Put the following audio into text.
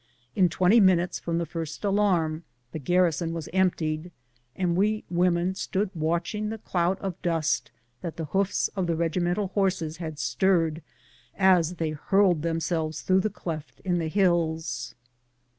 In twenty minutes from the first alarm the garrison was emptied, and we women stood watching the cloud of dust that the hoofs of the regimental horses had stirred as they hurled themselves through the cleft in the hills.